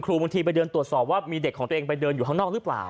บางทีไปเดินตรวจสอบว่ามีเด็กของตัวเองไปเดินอยู่ข้างนอกหรือเปล่า